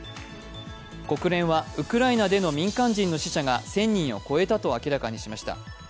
国連はウクライナでの民間人の死者が１０００人を超えたと伝えました。